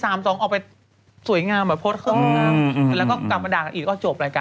แล้วก็กลับมาด่างอีกก็จบรายการ